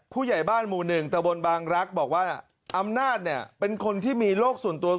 ผู้ใหญ่บ้านหมู่๑ตะบนบางรักษ์บอกว่าอำนาจเนี่ยเป็นคนที่มีโรคส่วนตัว